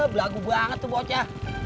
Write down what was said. belagu gue anget tuh bosnya